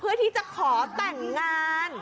เพื่อที่จะขอแต่งงาน